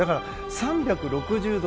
３６０度